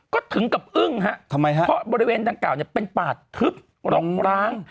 ก็ถึงกับอึ้งฮะเพราะบริเวณดังกล่าวนี่เป็นปากทึบหลอกล้าง